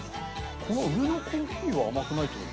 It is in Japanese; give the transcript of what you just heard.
この上のコーヒーは甘くないって事？